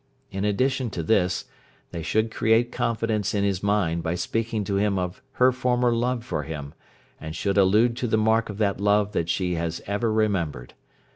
In addition to this, they should create confidence in his mind by speaking to him of her former love for him, and should allude to the mark of that love that she has ever remembered.